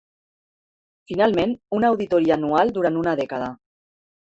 Finalment, una auditoria anual durant una dècada.